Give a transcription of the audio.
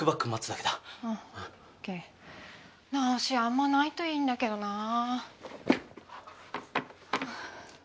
直しあんまないといいんだけどな。